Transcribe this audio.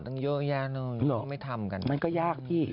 กันไว้ก่อนต้องเยอะแยะหน่อยไม่ทำกันมันก็ยากสิ